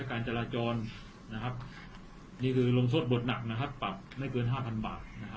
ว่าฉันแน่นอนที่น้อยแต่เหมือนเกิดร้อยตลอดมา